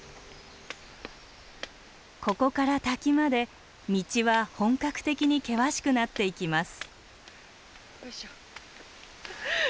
ここから滝まで道は本格的に険しくなっていきます。